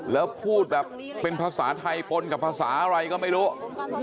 แล้วพูดแบบเป็นภาษาไทยปนกับภาษาอะไรก็ไม่รู้